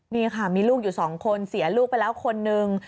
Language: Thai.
นี่ค่ะมีลูกอยู่๒คนเสียลูกไปแล้วคนนึง